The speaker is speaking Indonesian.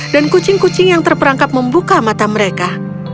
dan kucing kucing yang terperangkap membuka mata mereka